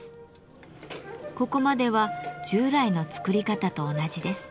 ここまでは従来の作り方と同じです。